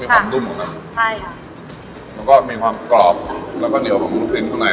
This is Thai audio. ความนุ่มของมันใช่ค่ะมันก็มีความกรอบแล้วก็เหนียวของลูกชิ้นข้างใน